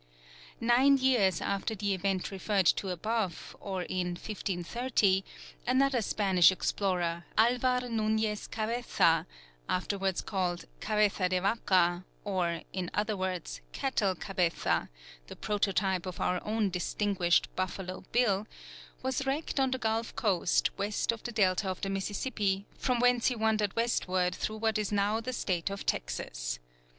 Nine years after the event referred to above, or in 1530, another Spanish explorer, Alvar Nuñez Cabeza, afterwards called Cabeza de Vaca or, in other words "Cattle Cabeza," the prototype of our own distinguished "Buffalo Bill" was wrecked on the Gulf coast, west of the delta of the Mississippi, from whence he wandered westward through what is now the State of Texas.